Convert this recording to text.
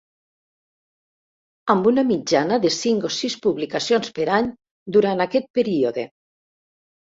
Amb una mitjana de cinc o sis publicacions per any durant aquest període.